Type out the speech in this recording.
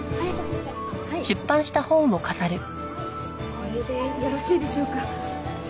これでよろしいでしょうか？